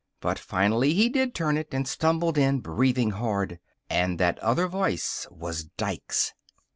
But finally he did turn it, and stumbled in, breathing hard. And that other voice was Dike's.